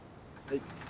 はい。